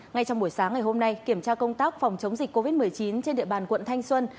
ngay trong buổi sáng ngày hôm nay kiểm tra công tác phòng chống dịch covid một mươi chín trên địa bàn quận thanh xuân